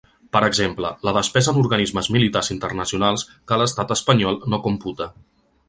Per exemple, la despesa en organismes militars internacionals, que l’estat espanyol no computa.